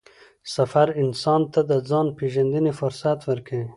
سفر انسان ته د ځان پېژندنې فرصت ورکوي